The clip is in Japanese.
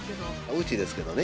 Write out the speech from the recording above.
うちですけどね。